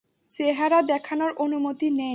চেহারা দেখানোর অনুমতি নেই।